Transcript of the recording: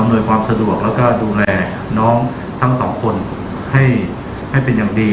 แล้วก็ดูแลน้องทั้งสองคนให้เป็นอย่างดี